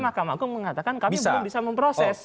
mahkamah agung mengatakan kami belum bisa memproses